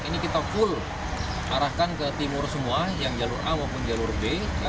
ini kita full arahkan ke timur semua yang jalur a maupun jalur b